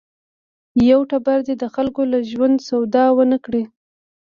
یوټوبر دې د خلکو له ژوند سودا ونه کړي.